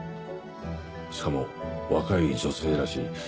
しかも若い女性らしい。